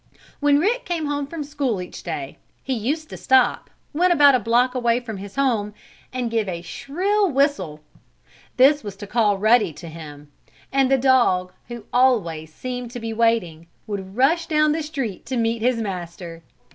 When Rick came home from school each day he used to stop, when about a block away from his home, and give a shrill whistle. This was to call Ruddy to him, and the dog, who always seemed to be waiting, would rush down the street to meet his master.